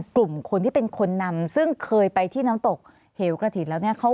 กลุ่มคนที่เป็นคนนำซึ่งเคยไปที่น้ำตกเหวกระถิ่นแล้วเนี่ย